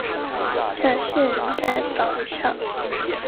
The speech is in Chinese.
另外有两间由冯小刚担任法定代表人的公司也于同年注销。